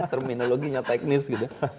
terminologinya teknis gitu